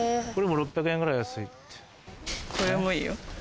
６００円ぐらい安いって。